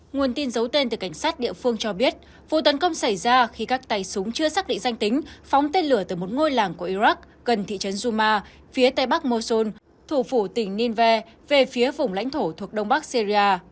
nguồn tin giấu tên từ cảnh sát địa phương cho biết vụ tấn công xảy ra khi các tay súng chưa xác định danh tính phóng tên lửa từ một ngôi làng của iraq gần thị trấn duma phía tây bắc mosol thủ phủ tỉnh nine về phía vùng lãnh thổ thuộc đông bắc syria